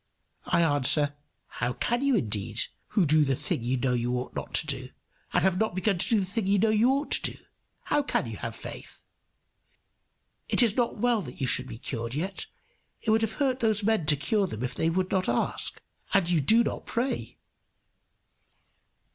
I answer, "How can you indeed, who do the thing you know you ought not to do, and have not begun to do the thing you know you ought to do? How should you have faith? It is not well that you should be cured yet. It would have hurt these men to cure them if they would not ask. And you do not pray."